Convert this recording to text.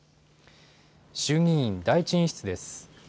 衆議院第１委員室です。